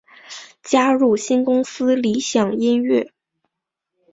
加入新公司理响音乐。